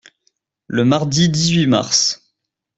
Le mardi dix-huit mars.